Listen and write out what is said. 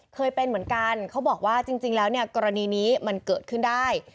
เคยเป็นเหมือนกันเขาบอกว่าจริงแล้วเนี่ยกรณีนี้มันเกิดขึ้นได้